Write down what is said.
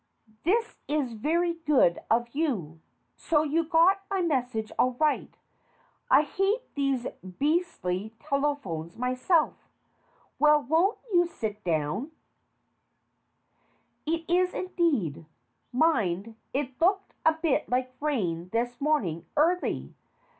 This is very good of you. So you got my message all right I hate these beastly telephones myself. Well, won't you sit down? THE DIFFICULT CASE 209 It is, indeed. Mind, it looked a bit like rain this morning early.